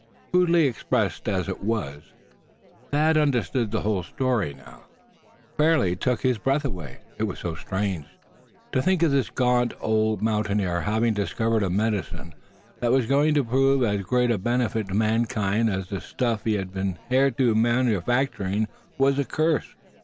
Crudely expressed as it was, Thad understood the whole story now. It fairly took his breath away, it was so strange. To think of this gaunt old mountaineer having discovered a medicine that was going to prove as great a benefit to mankind as the stuff he had been hitherto manufacturing was a curse!